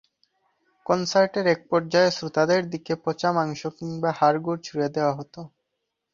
কনসার্টের এক পর্যায়ে শ্রোতাদের দিকে পচা মাংস কিংবা হাড়গোড় ছুঁড়ে দেওয়া হতো।